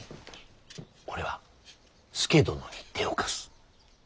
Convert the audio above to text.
俺は佐殿に手を貸す。